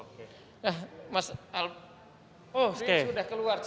nah mas alvin sudah keluar hasilnya